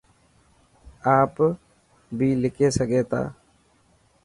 آپ بي لکي سڳو تا.